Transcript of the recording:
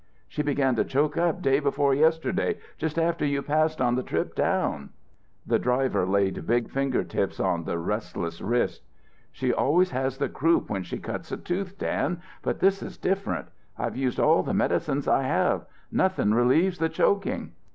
"She began to choke up day before yesterday, just after you passed on the down trip." The driver laid big finger tips on the restless wrist. "She always has the croup when she cuts a tooth, Dan, but this is different. I've used all the medicines I have nothing relieves the choking."